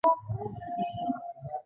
نو د رګونو پړسېدو امکان به د نشت برابر وي